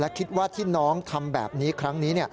คิดว่าที่น้องทำแบบนี้ครั้งนี้